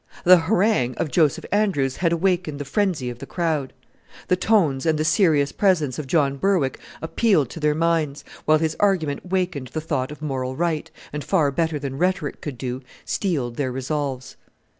The harangue of Joseph Andrews had awakened the frenzy of the crowd. The tones and the serious presence of John Berwick appealed to their minds, while his argument wakened the thought of moral right, and, far better than rhetoric could do, steeled their resolves.